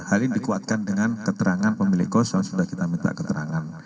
hari ini dikuatkan dengan keterangan pemilik kos yang sudah kita minta keterangan